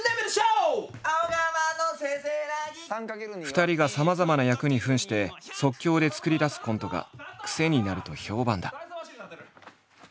二人がさまざまな役に扮して即興で作り出すコントがクセになると評判だ。